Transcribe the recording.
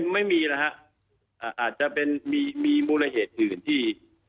ไม่มีนะฮะอาจจะเป็นมีมูลเหตุอื่นที่